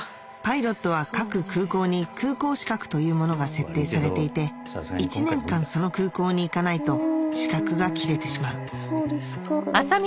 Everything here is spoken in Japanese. パイロットは各空港に空港資格というものが設定されていて１年間その空港に行かないと資格が切れてしまうそうですか。